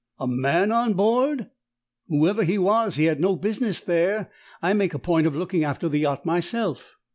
"A man on board? Whoever he was, he had no business there. I make a point of looking after the yacht myself."